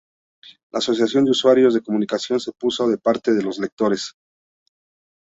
La Asociación de Usuarios de comunicación se puso de parte de los actores.